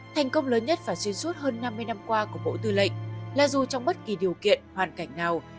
thành công lớn nhất và xuyên suốt hơn năm mươi năm qua của bộ tư lệnh là dù trong bất kỳ điều kiện hoàn cảnh nào